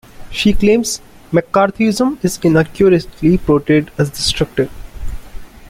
She claims McCarthyism is inaccurately portrayed as destructive.